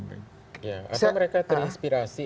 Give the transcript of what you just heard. apa mereka terinspirasi